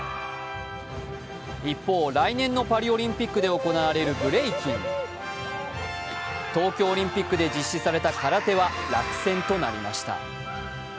一方、来年のパリオリンピックで行われるブレイキン、東京オリンピックで実施された空手は落選となりました。